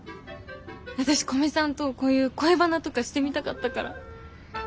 私古見さんとこういう恋バナとかしてみたかったから。